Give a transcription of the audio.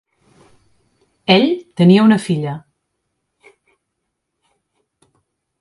Ell tenia una filla.